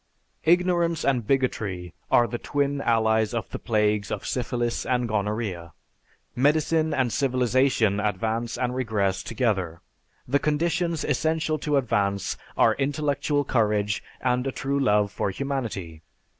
"Ignorance and bigotry are the twin allies of the plagues of Syphilis and Gonorrhea. Medicine and civilization advance and regress together. The conditions essential to advance are intellectual courage and a true love for humanity.